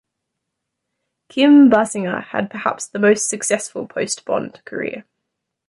Kim Basinger had perhaps the most successful post-Bond career.